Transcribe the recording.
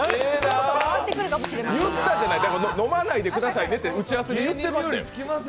言ったじゃない、飲まないでくださいねって打ち合わせで。